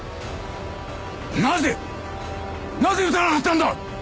なぜなぜ撃たなかったんだ！